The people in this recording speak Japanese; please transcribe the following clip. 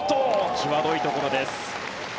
際どいところです。